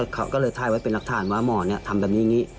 ก็เลยถ่ายไว้เป็นรักษาว่าหมอเนี่ยทำแบบนี้